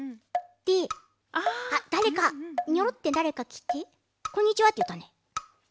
でだれかニョロッてだれかきて「こんにちは」っていったね。